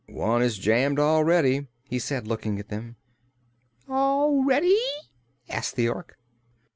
"One is jammed already," he said, looking at them. "All ready?" asked the Ork.